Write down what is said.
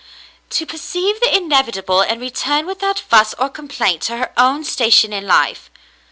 ^" "To perceive the inevitable and return without fuss or complaint to her own station in life."